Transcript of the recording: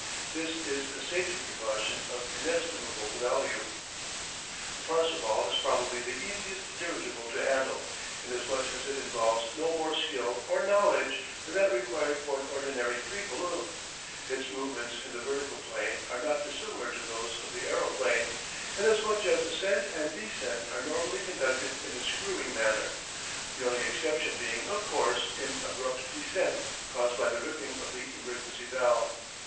This is a safety precaution of inestimable value. The Parseval is probably the easiest dirigible to handle, inasmuch as it involves no more skill or knowledge than that required for an ordinary free balloon. Its movements in the vertical plane are not dissimilar to those of the aeroplane, inasmuch as ascent and descent are normally conducted in a "screwing" manner, the only exception being of course in abrupt descent caused by the ripping of the emergency valve.